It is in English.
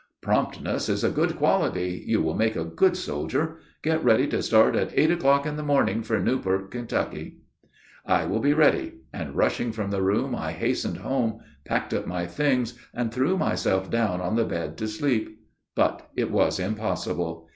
'Promptness is a good quality, you will make a good soldier. Get ready to start at eight o'clock in the morning, for Newport, Ky.' 'I will be ready,' and, rushing from the room, I hastened home, packed up my things, and threw myself down on the bed to sleep. But it was impossible.